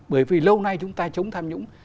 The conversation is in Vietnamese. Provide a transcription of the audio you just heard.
bởi vì lâu nay chúng ta chống tham nhũng